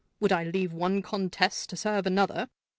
Would I leave one countess to serve another?